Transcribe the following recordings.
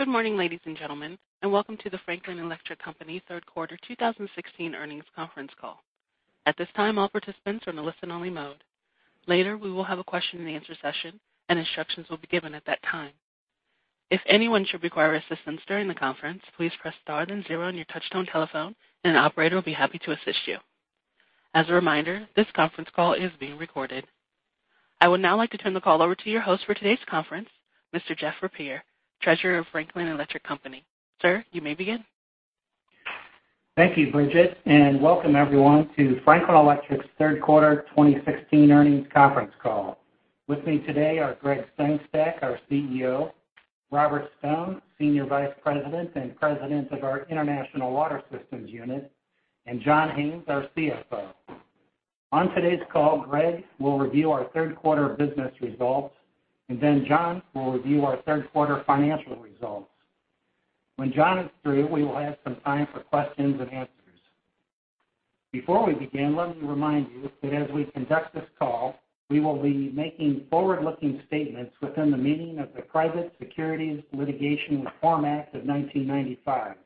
Good morning, ladies and gentlemen, and welcome to the Franklin Electric Company third quarter 2016 earnings conference call. At this time, all participants are in a listen-only mode. Later, we will have a question-and-answer session, and instructions will be given at that time. If anyone should require assistance during the conference, please press star then zero on your touch-tone telephone, and an operator will be happy to assist you. As a reminder, this conference call is being recorded. I would now like to turn the call over to your host for today's conference, Mr. Joe Ruzynski, Treasurer of Franklin Electric Company. Sir, you may begin. Thank you, Bridget, and welcome everyone to Franklin Electric's third quarter 2016 earnings conference call. With me today are Gregg Sengstack, our CEO, Robert Stone, Senior Vice President and President of our International Water Systems Unit, and John Haines, our CFO. On today's call, Gregg will review our third quarter business results, and then John will review our third quarter financial results. When John is through, we will have some time for questions and answers. Before we begin, let me remind you that as we conduct this call, we will be making forward-looking statements within the meaning of the Private Securities Litigation Reform Act of 1995.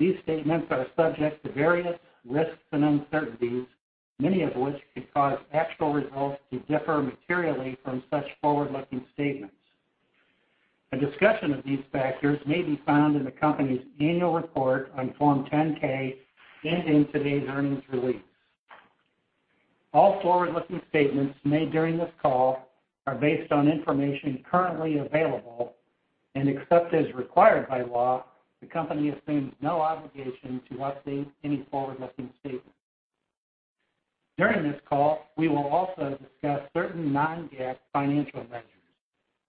These statements are subject to various risks and uncertainties, many of which could cause actual results to differ materially from such forward-looking statements. A discussion of these factors may be found in the company's annual report on Form 10-K and in today's earnings release. All forward-looking statements made during this call are based on information currently available, and except as required by law, the company assumes no obligation to update any forward-looking statements. During this call, we will also discuss certain non-GAAP financial measures,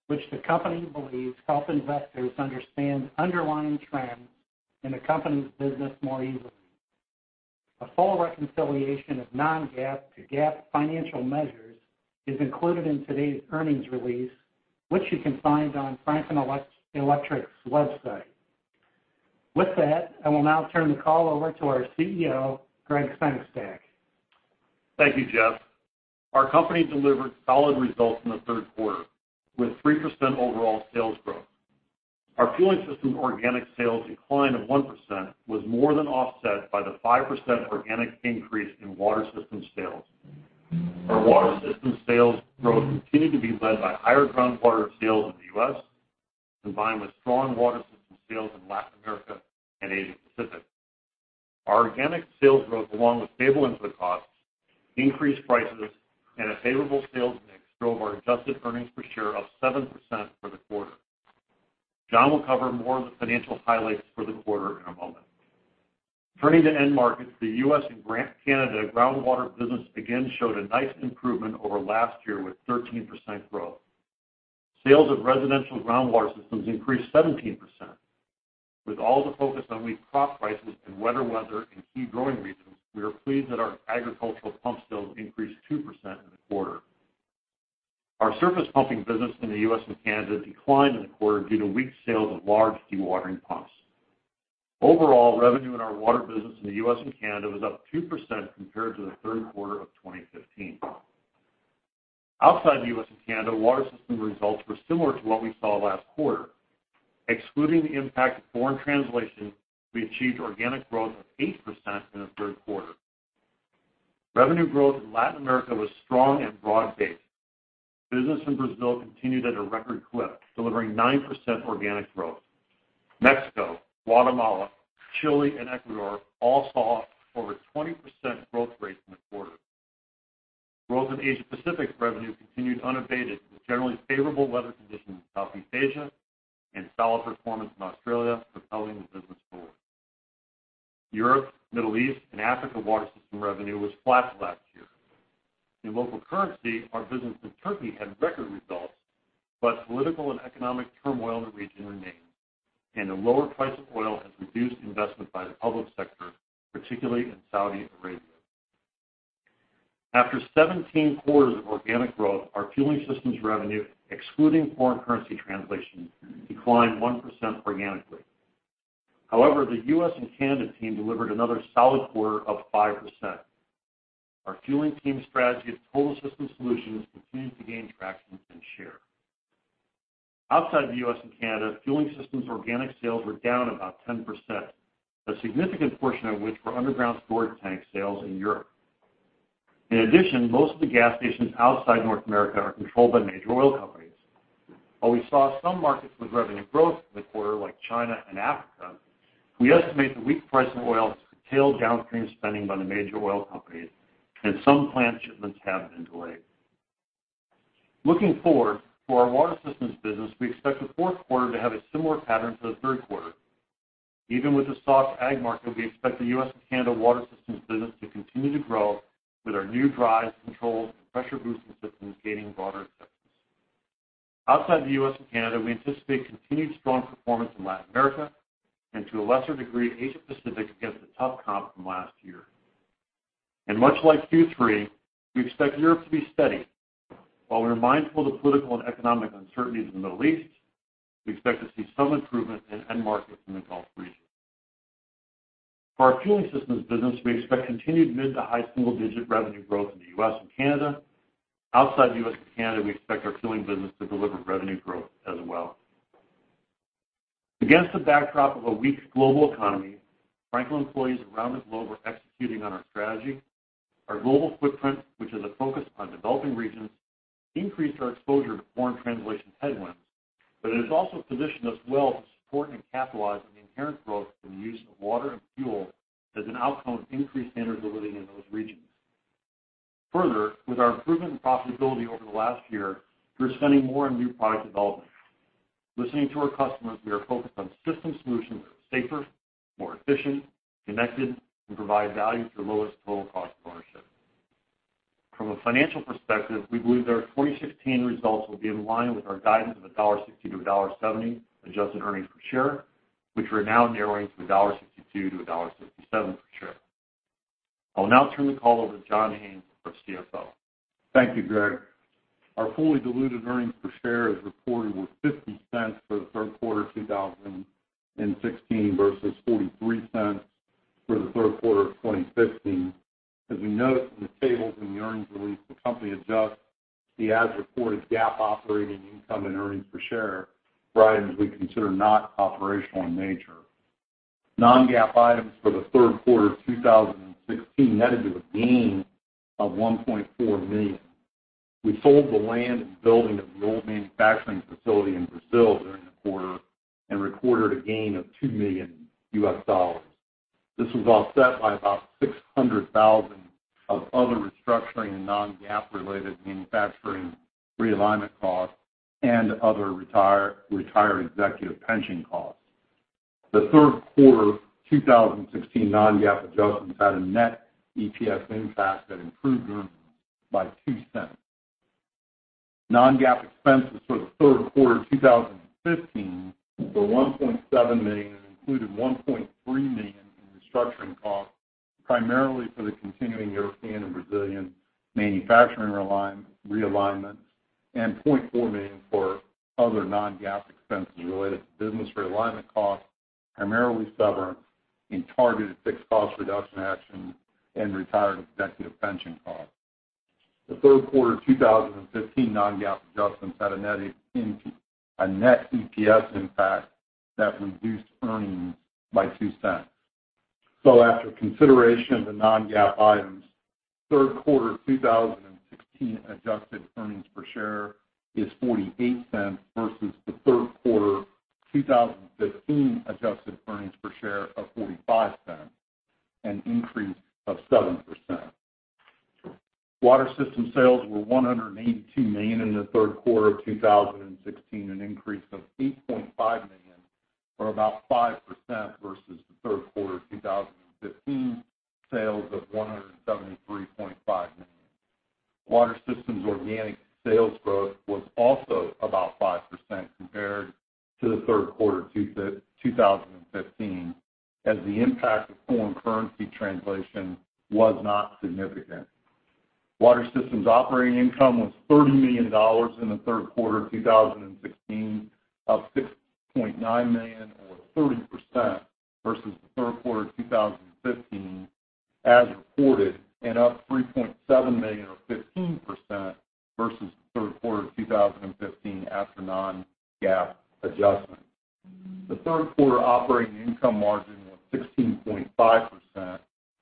which the company believes help investors understand underlying trends in the company's business more easily. A full reconciliation of non-GAAP to GAAP financial measures is included in today's earnings release, which you can find on Franklin Electric's website. With that, I will now turn the call over to our CEO, Gregg Sengstack. Thank you, Joe. Our company delivered solid results in the third quarter, with 3% overall sales growth. Our fueling system organic sales decline of 1% was more than offset by the 5% organic increase in water system sales. Our water system sales growth continued to be led by higher groundwater sales in the U.S., combined with strong water system sales in Latin America and Asia Pacific. Our organic sales growth, along with stable input costs, increased prices, and a favorable sales mix drove our adjusted earnings per share up 7% for the quarter. John will cover more of the financial highlights for the quarter in a moment. Turning to end markets, the U.S. and Canada groundwater business again showed a nice improvement over last year with 13% growth. Sales of residential groundwater systems increased 17%. With all the focus on weak crop prices and wetter weather in key growing regions, we are pleased that our agricultural pump sales increased 2% in the quarter. Our surface pumping business in the U.S. and Canada declined in the quarter due to weak sales of large dewatering pumps. Overall, revenue in our water business in the U.S. and Canada was up 2% compared to the third quarter of 2015. Outside the U.S. and Canada, water system results were similar to what we saw last quarter. Excluding the impact of foreign translation, we achieved organic growth of 8% in the third quarter. Revenue growth in Latin America was strong and broad-based. Business in Brazil continued at a record clip, delivering 9% organic growth. Mexico, Guatemala, Chile, and Ecuador all saw over 20% growth rates in the quarter. Growth in Asia Pacific revenue continued unabated with generally favorable weather conditions in Southeast Asia and solid performance in Australia, propelling the business forward. Europe, Middle East, and Africa water system revenue was flat last year. In local currency, our business in Turkey had record results, but political and economic turmoil in the region remains, and the lower price of oil has reduced investment by the public sector, particularly in Saudi Arabia. After 17 quarters of organic growth, our fueling systems revenue, excluding foreign currency translation, declined 1% organically. However, the U.S. and Canada team delivered another solid quarter of 5%. Our fueling team strategy of total system solutions continued to gain traction and share. Outside the U.S. and Canada, fueling systems organic sales were down about 10%, a significant portion of which were underground storage tank sales in Europe. In addition, most of the gas stations outside North America are controlled by major oil companies. While we saw some markets with revenue growth in the quarter, like China and Africa, we estimate the weak price of oil has curtailed downstream spending by the major oil companies, and some plant shipments have been delayed. Looking forward, for our water systems business, we expect the fourth quarter to have a similar pattern to the third quarter. Even with the soft ag market, we expect the U.S. and Canada water systems business to continue to grow with our new drive, control, and pressure-boosting systems gaining broader acceptance. Outside the U.S. and Canada, we anticipate continued strong performance in Latin America and, to a lesser degree, Asia Pacific against the tough comp from last year. And much like Q3, we expect Europe to be steady. While we are mindful of the political and economic uncertainties in the Middle East, we expect to see some improvement in end markets in the Gulf region. For our fueling systems business, we expect continued mid- to high single-digit revenue growth in the U.S. and Canada. Outside the U.S. and Canada, we expect our fueling business to deliver revenue growth as well. Against the backdrop of a weak global economy, Franklin employees around the globe are executing on our strategy. Our global footprint, which is a focus on developing regions, increased our exposure to foreign translation headwinds, but it has also positioned us well to support and capitalize on the inherent growth from the use of water and fuel as an outcome of increased standards of living in those regions. Further, with our improvement in profitability over the last year, we're spending more on new product development. Listening to our customers, we are focused on system solutions that are safer, more efficient, connected, and provide value at your lowest total cost of ownership. From a financial perspective, we believe that our 2016 results will be in line with our guidance of $1.60-$1.70 adjusted earnings per share, which we're now narrowing to $1.62-$1.67 per share. I will now turn the call over to John Haines, our CFO. Thank you, Gregg. Our fully diluted earnings per share is reported to be $0.50 for the third quarter of 2016 versus $0.43 for the third quarter of 2015. As we note in the tables in the earnings release, the company adjusts the as-reported GAAP operating income and earnings per share for items we consider not operational in nature. Non-GAAP items for the third quarter of 2016 netted to a gain of $1.4 million. We sold the land and building of the old manufacturing facility in Brazil during the quarter and recorded a gain of $2 million U.S. dollars. This was offset by about $600,000 of other restructuring and non-GAAP-related manufacturing realignment costs and other retired executive pension costs. The third quarter 2016 non-GAAP adjustments had a net EPS impact that improved earnings by $0.02. Non-GAAP expenses for the third quarter of 2015 were $1.7 million and included $1.3 million in restructuring costs, primarily for the continuing European and Brazilian manufacturing realignments, and $0.4 million for other non-GAAP expenses related to business realignment costs, primarily severance in targeted fixed cost reduction actions and retired executive pension costs. The third quarter 2015 non-GAAP adjustments had a net EPS impact that reduced earnings by $0.02. So after consideration of the non-GAAP items, third quarter 2016 adjusted earnings per share is $0.48 versus the third quarter 2015 adjusted earnings per share of $0.45, an increase of 7%. Water system sales were $182 million in the third quarter of 2016, an increase of $8.5 million or about 5% versus the third quarter of 2015 sales of $173.5 million. Water systems organic sales growth was also about 5% compared to the third quarter of 2015, as the impact of foreign currency translation was not significant. Water systems operating income was $30 million in the third quarter of 2016, up $6.9 million or 30% versus the third quarter of 2015 as reported, and up $3.7 million or 15% versus the third quarter of 2015 after non-GAAP adjustments. The third quarter operating income margin was 16.5%,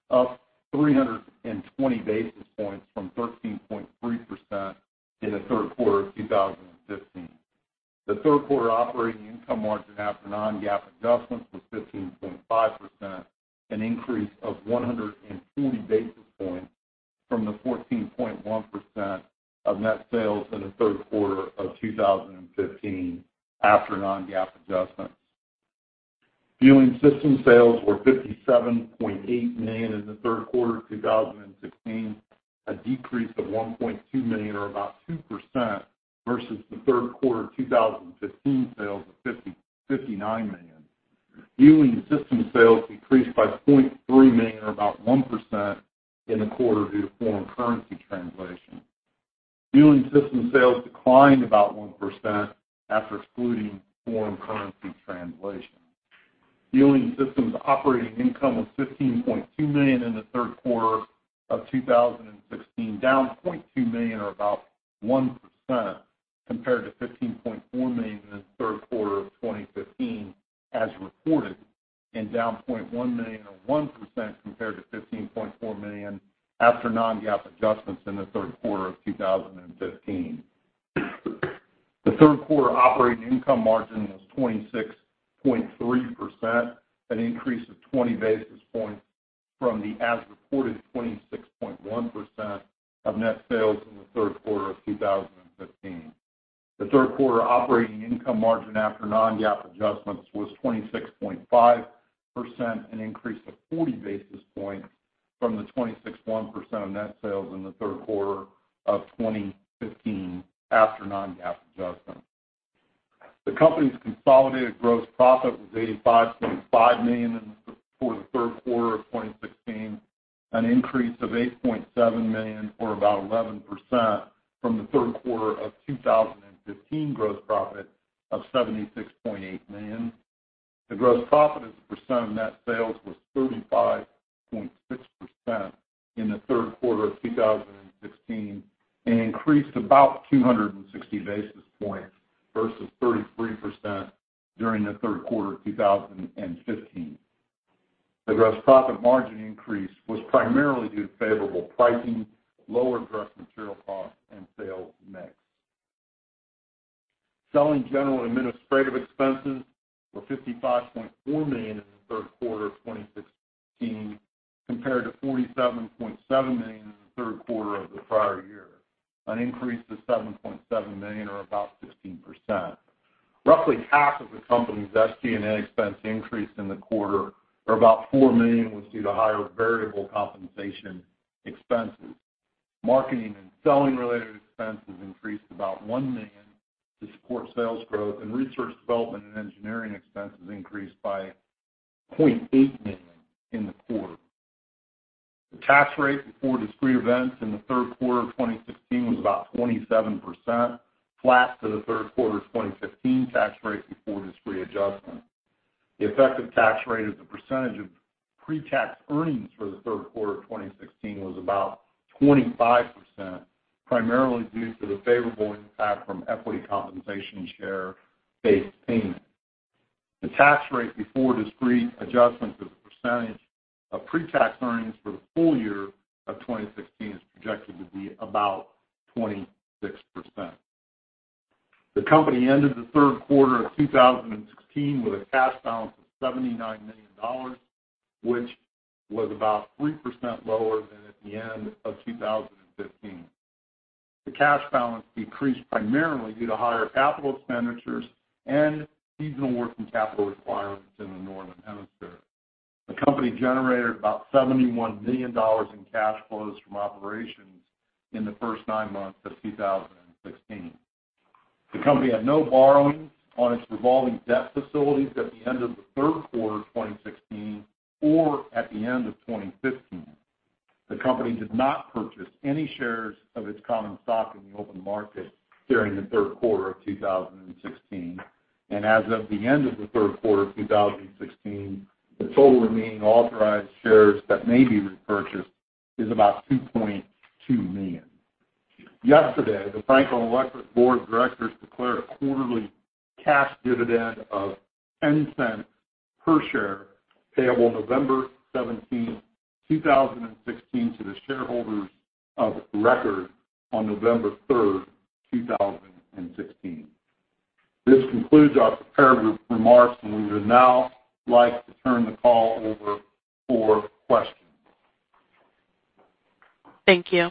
up 320 basis points from 13.3% in the third quarter of 2015. The third quarter operating income margin after non-GAAP adjustments was 15.5%, an increase of 140 basis points from the 14.1% of net sales in the third quarter of 2015 after non-GAAP adjustments. Fueling system sales were $57.8 million in the third quarter of 2016, a decrease of $1.2 million or about 2% versus the third quarter of 2015 sales of $59 million. Fueling system sales decreased by $0.3 million or about 1% in the quarter due to foreign currency translation. Fueling system sales declined about 1% after excluding foreign currency translation. Fueling systems operating income was $15.2 million in the third quarter of 2016, down $0.2 million or about 1% compared to $15.4 million in the third quarter of 2015 as reported, and down $0.1 million or 1% compared to $15.4 million after non-GAAP adjustments in the third quarter of 2015. The third quarter operating income margin was 26.3%, an increase of 20 basis points from the as-reported 26.1% of net sales in the third quarter of 2015. The third quarter operating income margin after non-GAAP adjustments was 26.5%, an increase of 40 basis points from the 26.1% of net sales in the third quarter of 2015 after non-GAAP adjustments. The company's consolidated gross profit was $85.5 million for the third quarter of 2016, an increase of $8.7 million or about 11% from the third quarter of 2015 gross profit of $76.8 million. The gross profit as a percent of net sales was 35.6% in the third quarter of 2016 and increased about 260 basis points versus 33% during the third quarter of 2015. The gross profit margin increase was primarily due to favorable pricing, lower gross material costs, and sales mix. Selling general administrative expenses were $55.4 million in the third quarter of 2016 compared to $47.7 million in the third quarter of the prior year, an increase of $7.7 million or about 16%. Roughly half of the company's SG&A expense increase in the quarter, or about $4 million, was due to higher variable compensation expenses. Marketing and selling-related expenses increased about $1 million to support sales growth, and research, development, and engineering expenses increased by $0.8 million in the quarter. The tax rate before discrete events in the third quarter of 2016 was about 27%, flat to the third quarter of 2015 tax rate before discrete adjustments. The effective tax rate as a percentage of pre-tax earnings for the third quarter of 2016 was about 25%, primarily due to the favorable impact from equity compensation share-based payments. The tax rate before discrete adjustments as a percentage of pre-tax earnings for the full year of 2016 is projected to be about 26%. The company ended the third quarter of 2016 with a cash balance of $79 million, which was about 3% lower than at the end of 2015. The cash balance decreased primarily due to higher capital expenditures and seasonal working capital requirements in the Northern Hemisphere. The company generated about $71 million in cash flows from operations in the first nine months of 2016. The company had no borrowings on its revolving debt facilities at the end of the third quarter of 2016 or at the end of 2015. The company did not purchase any shares of its common stock in the open market during the third quarter of 2016, and as of the end of the third quarter of 2016, the total remaining authorized shares that may be repurchased is about 2.2 million. Yesterday, the Franklin Electric Board of Directors declared a quarterly cash dividend of $0.10 per share payable November 17, 2016, to the shareholders of record on November 3, 2016. This concludes our prepared remarks, and we would now like to turn the call over for questions. Thank you.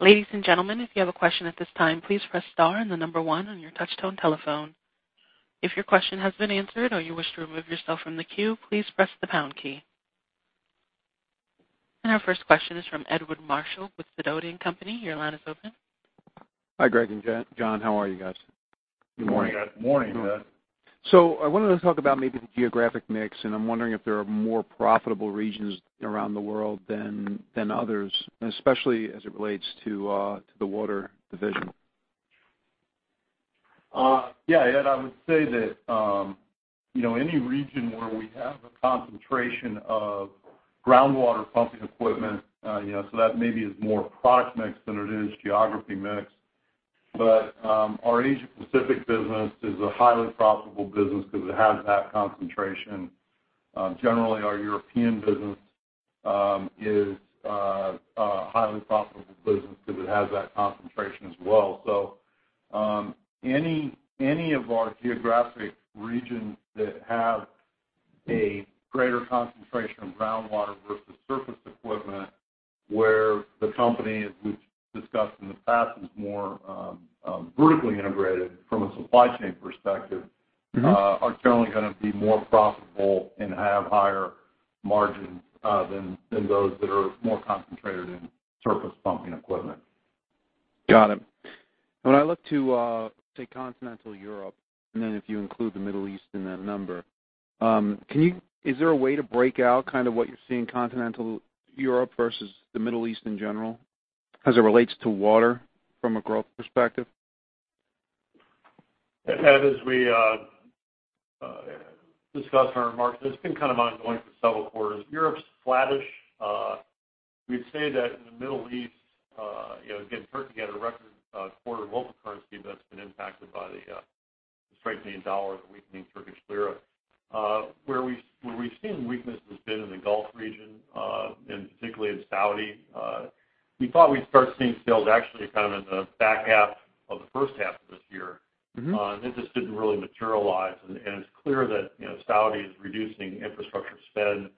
Ladies and gentlemen, if you have a question at this time, please press star and the number one on your touch-tone telephone. If your question has been answered or you wish to remove yourself from the queue, please press the pound key. Our first question is from Edward Marshall with Sidoti & Company. Your line is open. Hi, Gregg and John. How are you guys? Good morning. Good morning, Ed. I wanted to talk about maybe the geographic mix, and I'm wondering if there are more profitable regions around the world than others, especially as it relates to the water division. Yeah, Ed, I would say that any region where we have a concentration of groundwater pumping equipment, so that maybe is more product mix than it is geography mix, but our Asia Pacific business is a highly profitable business because it has that concentration. Generally, our European business is a highly profitable business because it has that concentration as well. So any of our geographic regions that have a greater concentration of groundwater versus surface equipment where the company, as we've discussed in the past, is more vertically integrated from a supply chain perspective, are generally going to be more profitable and have higher margins than those that are more concentrated in surface pumping equipment. Got it. When I look to, say, continental Europe, and then if you include the Middle East in that number, is there a way to break out kind of what you're seeing in continental Europe versus the Middle East in general as it relates to water from a growth perspective? Ed, as we discussed in our remarks, it's been kind of ongoing for several quarters. Europe's flatish. We'd say that in the Middle East, again, Turkey had a record quarter of local currency that's been impacted by the strengthening dollar and the weakening Turkish lira. Where we've seen weakness has been in the Gulf region, and particularly in Saudi. We thought we'd start seeing sales actually kind of in the back half of the first half of this year, and it just didn't really materialize. And it's clear that Saudi is reducing infrastructure spend,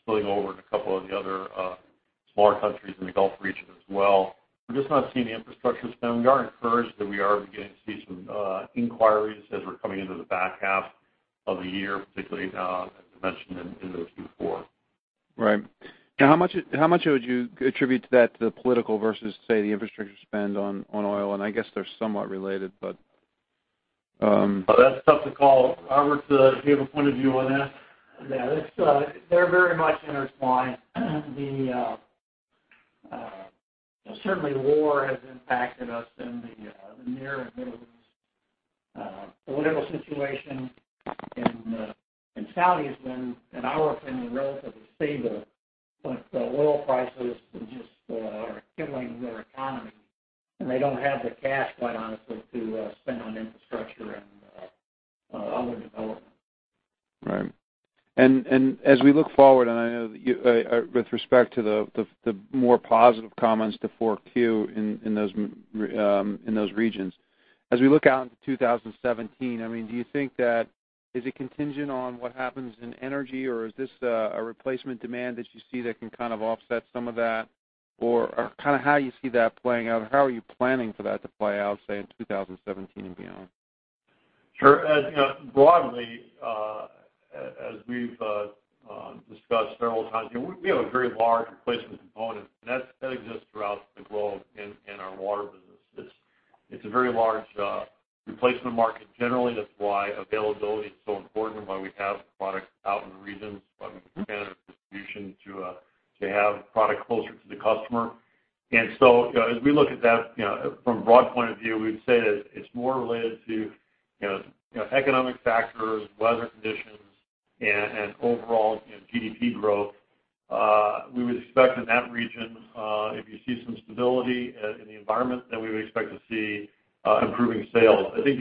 spilling over into a couple of the other smaller countries in the Gulf region as well. We're just not seeing the infrastructure spend. We are encouraged that we are beginning to see some inquiries as we're coming into the back half of the year, particularly now, as I mentioned, in the Q4. Right. Now, how much would you attribute to that, the political versus, say, the infrastructure spend on oil? And I guess they're somewhat related, but. That's tough to call. Robert, do you have a point of view on that? Yeah, they're very much intertwined. Certainly, war has impacted us in the Near and Middle East. The political situation in Saudi has been, in our opinion, relatively stable, but oil prices just are killing their economy, and they don't have the cash, quite honestly, to spend on infrastructure and other developments. Right. And as we look forward, and I know that with respect to the more positive comments to 4Q in those regions, as we look out into 2017, I mean, do you think that is it contingent on what happens in energy, or is this a replacement demand that you see that can kind of offset some of that? Or kind of how do you see that playing out? How are you planning for that to play out, say, in 2017 and beyond? Sure. Ed, broadly, as we've discussed several times, we have a very large replacement component, and that exists throughout the globe in our water business. It's a very large replacement market. Generally, that's why availability is so important, why we have products out in the regions, why we can't have distribution to have product closer to the customer. And so as we look at that from a broad point of view, we'd say that it's more related to economic factors, weather conditions, and overall GDP growth. We would expect in that region, if you see some stability in the environment, then we would expect to see improving sales. I think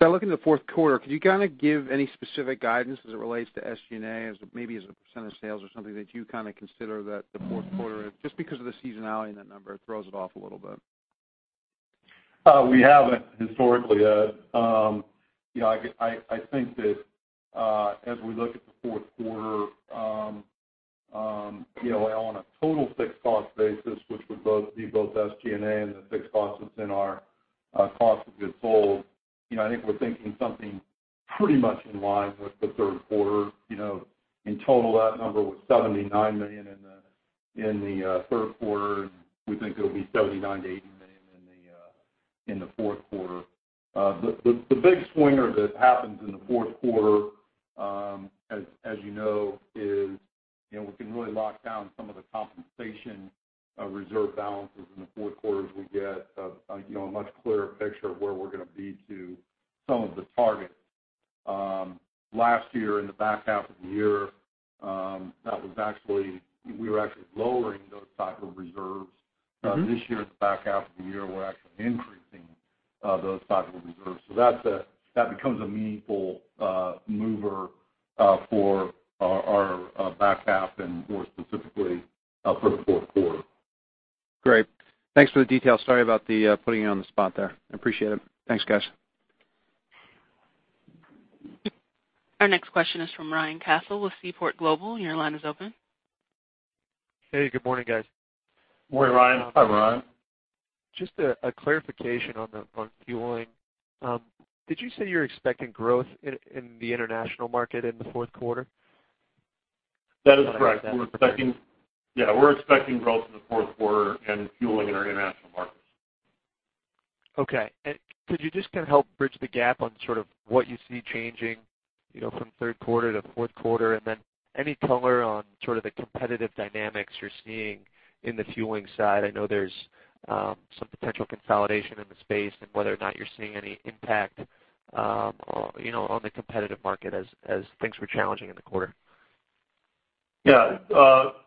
So, looking into the fourth quarter. Could you kind of give any specific guidance as it relates to SG&A, maybe as a % of sales or something that you kind of consider that the fourth quarter is, just because of the seasonality in that number, it throws it off a little bit? We haven't historically, Ed. I think that as we look at the fourth quarter, on a total fixed cost basis, which would be both SG&A and the fixed cost that's in our cost of goods sold, I think we're thinking something pretty much in line with the third quarter. In total, that number was $79 million in the third quarter, and we think it'll be $79-$80 million in the fourth quarter. The big swinger that happens in the fourth quarter, as you know, is we can really lock down some of the compensation reserve balances in the fourth quarter as we get a much clearer picture of where we're going to be to some of the targets. Last year, in the back half of the year, we were actually lowering those types of reserves. This year, in the back half of the year, we're actually increasing those types of reserves. That becomes a meaningful mover for our back half and more specifically for the fourth quarter. Great. Thanks for the details. Sorry about putting you on the spot there. I appreciate it. Thanks, guys. Our next question is from Ryan Connors with Seaport Global. Your line is open. Hey, good morning, guys. Morning, Ryan. Hi, Ryan. Just a clarification on fueling. Did you say you're expecting growth in the international market in the fourth quarter? That is correct. We're expecting, yeah, we're expecting growth in the fourth quarter and fueling in our international markets. Okay. And could you just kind of help bridge the gap on sort of what you see changing from third quarter to fourth quarter, and then any color on sort of the competitive dynamics you're seeing in the fueling side? I know there's some potential consolidation in the space and whether or not you're seeing any impact on the competitive market as things were challenging in the quarter? Yeah.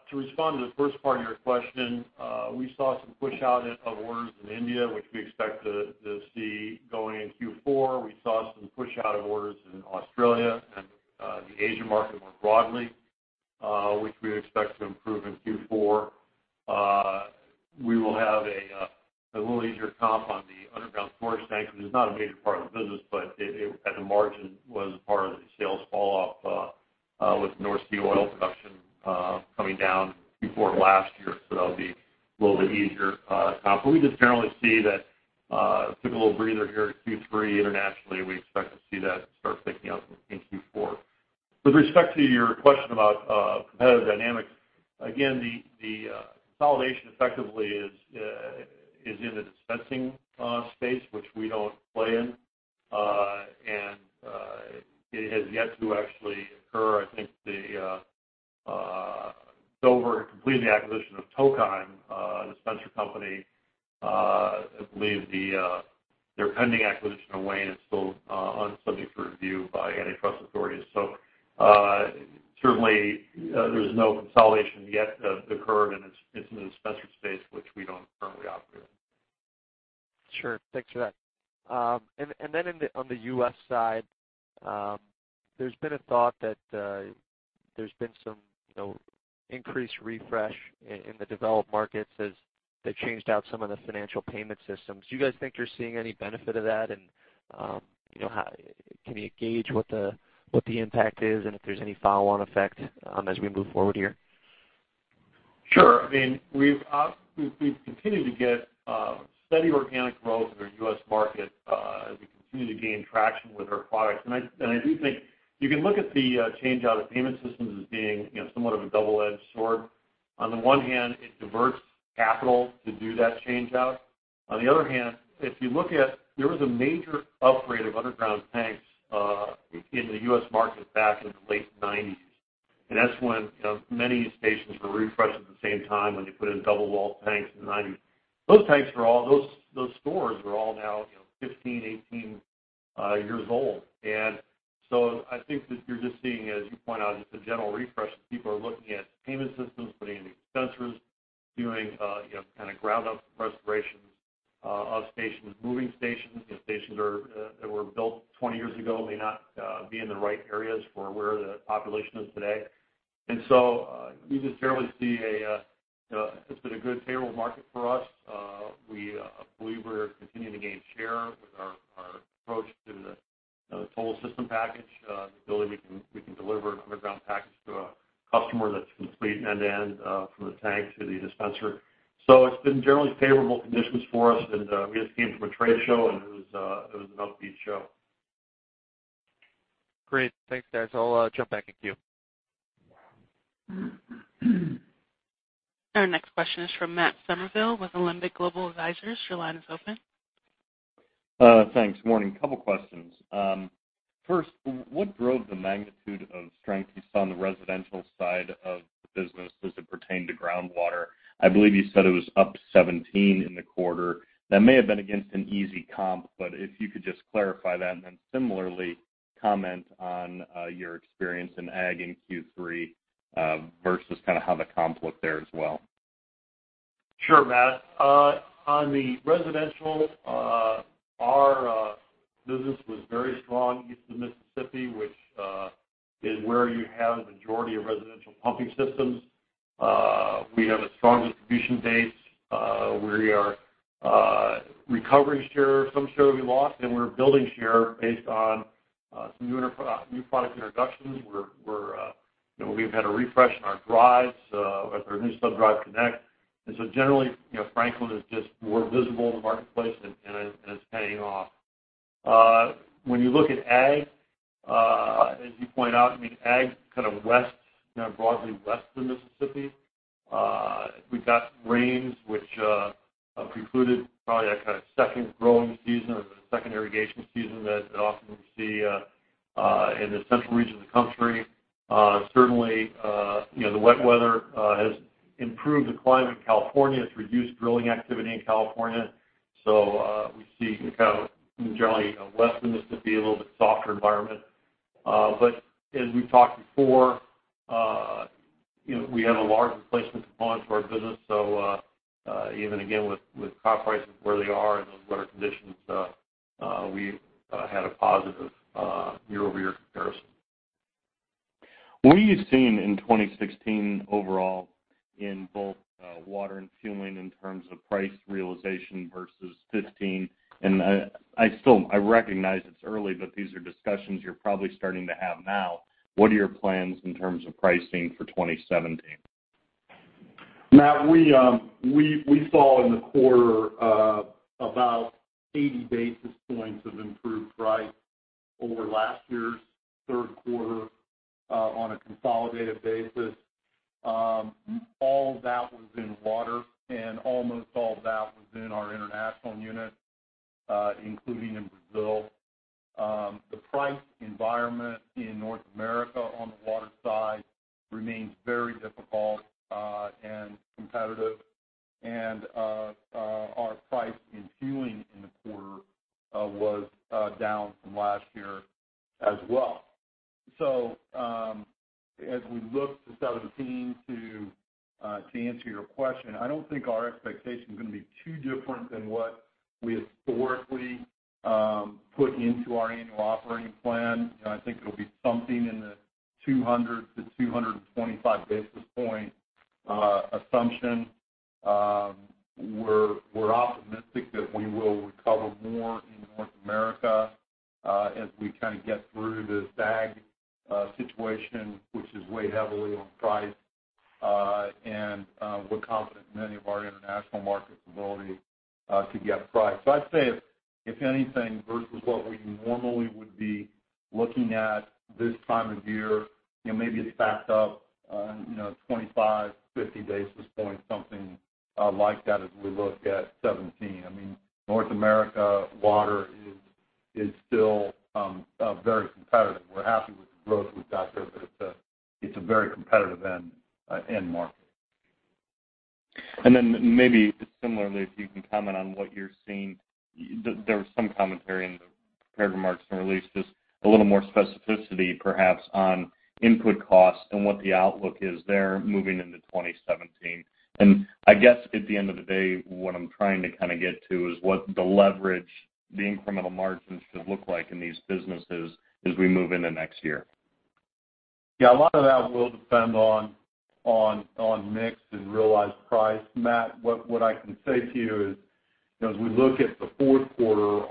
To respond to the first part of your question, we saw some push-out of orders in India, which we expect to see going in Q4. We saw some push-out of orders in Australia and the Asia market more broadly, which we expect to improve in Q4. We will have a little easier comp on the underground storage tank, which is not a major part of the business, but at the margin was part of the sales falloff with North Sea oil production coming down in Q4 of last year, so that'll be a little bit easier comp. But we just generally see that took a little breather here at Q3 internationally, and we expect to see that start picking up in Q4. With respect to your question about competitive dynamics, again, the consolidation effectively is in the dispensing space, which we don't play in, and it has yet to actually occur. I think Dover completed the acquisition of Tokheim, a dispenser company. I believe their pending acquisition of Wayne is still subject to review by antitrust authorities. So certainly, there's no consolidation yet that's occurred, and it's in the dispenser space, which we don't currently operate in. Sure. Thanks for that. And then on the U.S. side, there's been a thought that there's been some increased refresh in the developed markets as they've changed out some of the financial payment systems. Do you guys think you're seeing any benefit of that, and can you gauge what the impact is and if there's any follow-on effect as we move forward here? Sure. I mean, we've continued to get steady organic growth in our U.S. market as we continue to gain traction with our products. And I do think you can look at the changeout of payment systems as being somewhat of a double-edged sword. On the one hand, it diverts capital to do that changeout. On the other hand, if you look at there was a major upgrade of underground tanks in the U.S. market back in the late 1990s, and that's when many stations were refreshed at the same time when they put in double-walled tanks in the 1990s. Those tanks were all those stores were all now 15, 18 years old. And so I think that you're just seeing, as you point out, just a general refresh. People are looking at payment systems, putting in the dispensers, doing kind of ground-up restorations of stations, moving stations. Stations that were built 20 years ago may not be in the right areas for where the population is today. So you just generally see it's been a good favorable market for us. We believe we're continuing to gain share with our approach to the total system package, the ability we can deliver an underground package to a customer that's complete end-to-end from the tank to the dispenser. So it's been generally favorable conditions for us, and we just came from a trade show, and it was an upbeat show. Great. Thanks, guys. I'll jump back in queue. Our next question is from Matt Summerville with Alembic Global Advisors. Your line is open. Thanks. Morning. Couple of questions. First, what drove the magnitude of strength you saw on the residential side of the business as it pertained to groundwater? I believe you said it was up 17% in the quarter. That may have been against an easy comp, but if you could just clarify that and then similarly comment on your experience in ag in Q3 versus kind of how the comp looked there as well. Sure, Matt. On the residential, our business was very strong east of Mississippi, which is where you have the majority of residential pumping systems. We have a strong distribution base. We are recovering share of some share that we lost, and we're building share based on some new product introductions. We've had a refresh in our drives with our new SubDrive Connect. And so generally, Franklin is just more visible in the marketplace, and it's paying off. When you look at ag, as you point out, I mean, ag kind of broadly west of Mississippi. We've got rains, which precluded probably that kind of second growing season or the second irrigation season that often we see in the central region of the country. Certainly, the wet weather has improved the climate in California. It's reduced drilling activity in California. So we see kind of generally west of Mississippi a little bit softer environment. But as we've talked before, we have a large replacement component to our business. So even again, with crop prices where they are and those wetter conditions, we had a positive year-over-year comparison. What have you seen in 2016 overall in both water and fueling in terms of price realization versus 2015? I recognize it's early, but these are discussions you're probably starting to have now. What are your plans in terms of pricing for 2017? Matt, we saw in the quarter about 80 basis points of improved price over last year's third quarter on a consolidated basis. All of that was in water, and almost all of that was in our international unit, including in Brazil. The price environment input costs and what the outlook is there moving into 2017. I guess at the end of the day, what I'm trying to kind of get to is what the leverage, the incremental margins should look like in these businesses as we move into next year. Yeah, a lot of that will depend on mixed and realized price. Matt, what I can say to you is as we look at the fourth quarter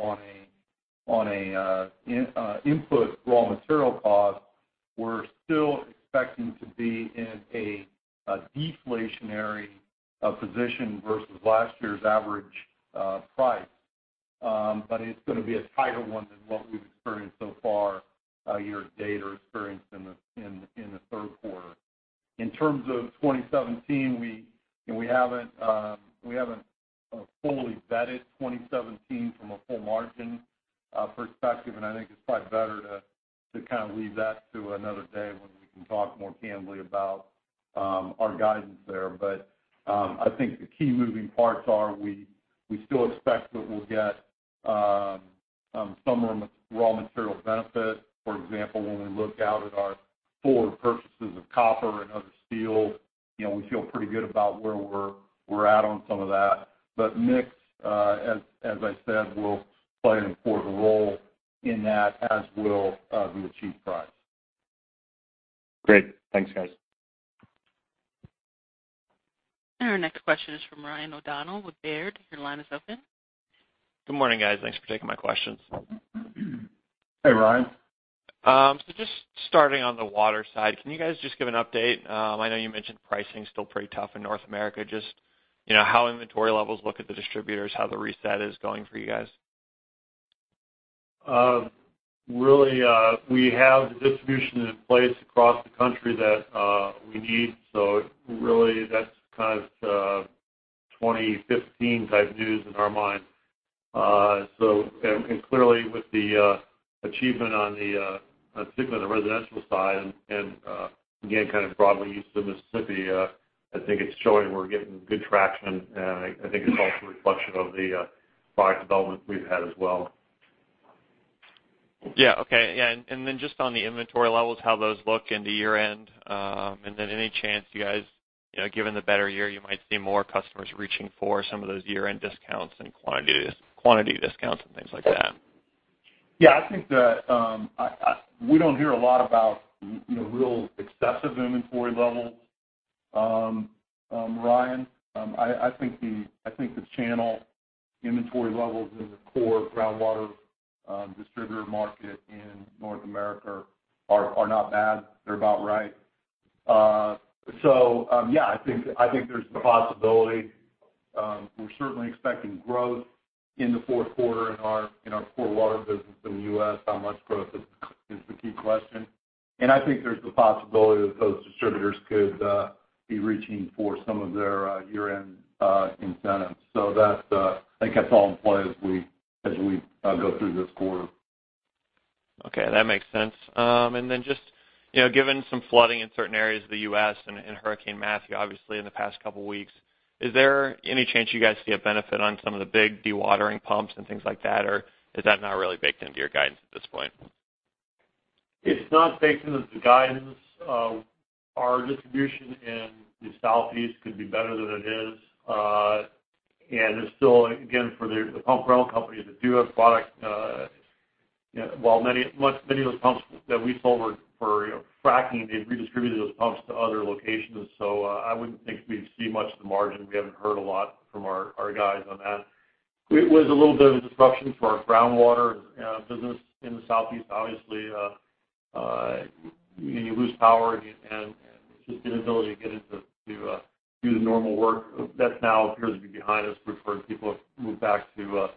on an input raw material cost, we're still expecting to be in a deflationary position versus last year's average price, but it's going to be a tighter one than what we've experienced so far year-to-date or experienced in the third quarter. In terms of 2017, we haven't fully vetted 2017 from a full margin perspective, and I think it's probably better to kind of leave that to another day when we can talk more candidly about our guidance there. But I think the key moving parts are we still expect that we'll get some raw material benefit. For example, when we look out at our forward purchases of copper and other steel, we feel pretty good about where we're at on some of that. But mix, as I said, will play an important role in that as will the achieved price. Great. Thanks, guys. Our next question is from Ryan O'Donnell with Baird. Your line is open. Good morning, guys. Thanks for taking my questions. Hey, Ryan. Just starting on the water side, can you guys just give an update? I know you mentioned pricing is still pretty tough in North America. Just how inventory levels look at the distributors, how the reset is going for you guys? Really, we have the distribution in place across the country that we need, so really, that's kind of 2015-type news in our mind. And clearly, with the achievement on, particularly, the residential side and again, kind of broadly east of Mississippi, I think it's showing we're getting good traction, and I think it's also a reflection of the product development we've had as well. Yeah. Okay. Yeah. And then just on the inventory levels, how those look into year-end, and then any chance you guys, given the better year, you might see more customers reaching for some of those year-end discounts and quantity discounts and things like that? Yeah. I think that we don't hear a lot about real excessive inventory levels, Ryan. I think the channel inventory levels in the core groundwater distributor market in North America are not bad. They're about right. So yeah, I think there's the possibility. We're certainly expecting growth in the fourth quarter in our core water business in the U.S. How much growth is the key question? And I think there's the possibility that those distributors could be reaching for some of their year-end incentives. So I think that's all in play as we go through this quarter. Okay. That makes sense. And then just given some flooding in certain areas of the U.S. and Hurricane Matthew, obviously, in the past couple of weeks, is there any chance you guys see a benefit on some of the big dewatering pumps and things like that, or is that not really baked into your guidance at this point? It's not baked into the guidance. Our distribution in the Southeast could be better than it is. And it's still, again, for the pump rental companies that do have product while many of those pumps that we sold for fracking, they redistributed those pumps to other locations. So I wouldn't think we'd see much of the margin. We haven't heard a lot from our guys on that. It was a little bit of a disruption for our groundwater business in the Southeast, obviously. You lose power, and it's just the inability to get in to do the normal work. That now appears to be behind us. We've heard people have moved back to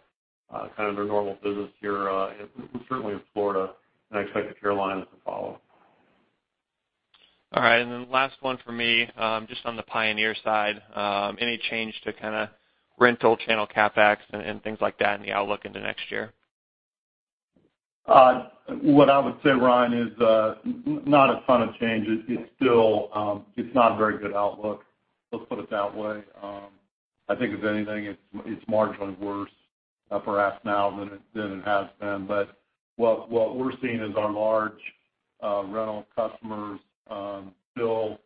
kind of their normal business here and certainly in Florida, and I expect the Carolinas to follow. All right. And then last one for me, just on the Pioneer side, any change to kind of rental channel CapEx and things like that and the outlook into next year? What I would say, Ryan, is not a ton of change. It's not a very good outlook. Let's put it that way. I think if anything, it's marginally worse for us now than it has been. But what we're seeing is our large rental customers still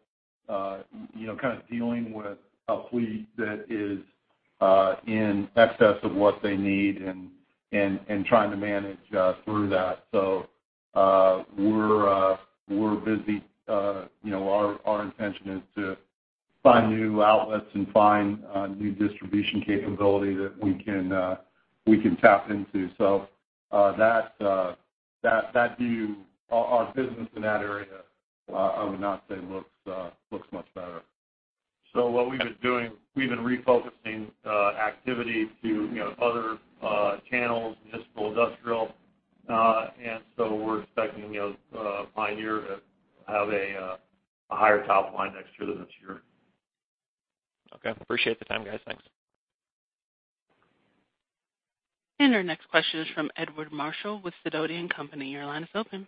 kind of dealing with a fleet that is in excess of what they need and trying to manage through that. So we're busy. Our intention is to find new outlets and find new distribution capability that we can tap into. So that view, our business in that area, I would not say looks much better. So what we've been doing, we've been refocusing activity to other channels, municipal industrial, and so we're expecting Pioneer to have a higher top line next year than this year. Okay. Appreciate the time, guys. Thanks. Our next question is from Edward Marshall with Sidoti & Company. Your line is open.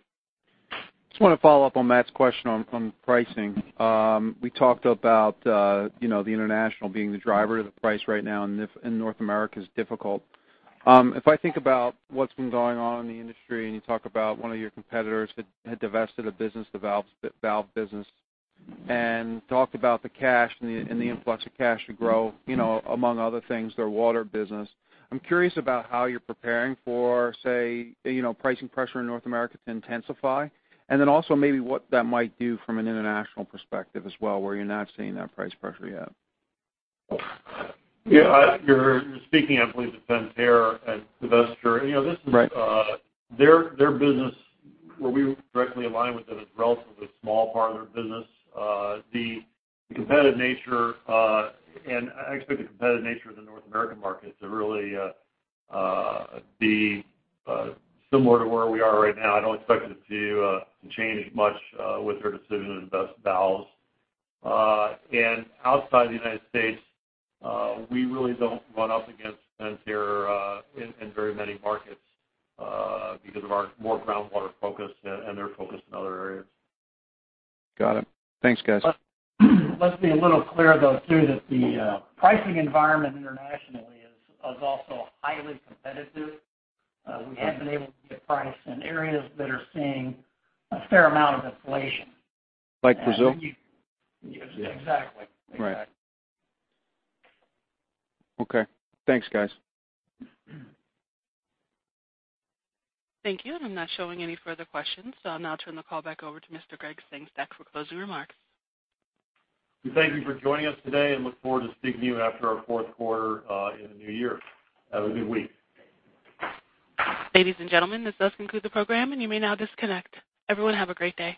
I just want to follow up on Matt's question on pricing. We talked about the international being the driver to the price right now, and North America is difficult. If I think about what's been going on in the industry, and you talk about one of your competitors had divested a business, the valve business, and talked about the cash and the influx of cash to grow, among other things, their water business, I'm curious about how you're preparing for, say, pricing pressure in North America to intensify, and then also maybe what that might do from an international perspective as well where you're not seeing that price pressure yet. Yeah. You're speaking, I believe, to Flowserve as a divestor. This is their business where we directly align with them is a relatively small part of their business. The competitive nature, and I expect the competitive nature of the North American market to really be similar to where we are right now. I don't expect it to change much with their decision to divest valves. And outside the United States, we really don't run up against Flowserve in very many markets because of our more groundwater focus and their focus in other areas. Got it. Thanks, guys. Let's be a little clear, though, too, that the pricing environment internationally is also highly competitive. We have been able to get price in areas that are seeing a fair amount of inflation. Like Brazil? Exactly. Exactly. Okay. Thanks, guys. Thank you. I'm not showing any further questions, so I'll now turn the call back over to Mr. Gregg Sengstack for closing remarks. Thank you for joining us today, and look forward to speaking to you after our fourth quarter in the new year. Have a good week. Ladies and gentlemen, this does conclude the program, and you may now disconnect. Everyone, have a great day.